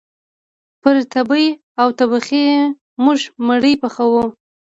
پر تبۍ او تبخي موږ مړۍ پخوو